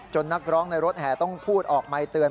นักร้องในรถแห่ต้องพูดออกไมคเตือน